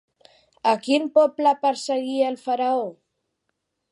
A quin poble perseguia el faraó?